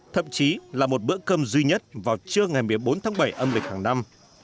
thậm chí là một bữa cơm duy nhất vào trưa ngày một mươi bốn tháng bảy âm lịch hàng năm